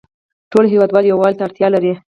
ټول هیوادوال یووالې ته اړتیا لری